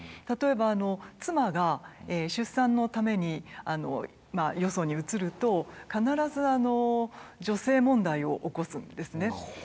例えば妻が出産のためによそに移ると必ず女性問題を起こすんですね。